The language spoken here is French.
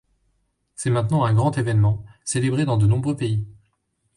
C'est maintenant un grand événement célébré dans de nombreux pays.